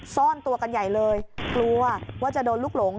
ซ่อนตัวกันใหญ่เลยกลัวว่าจะโดนลูกหลง